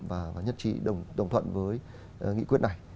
và nhất trí đồng thuận với nghị quyết này